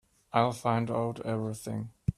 I'll find out everything.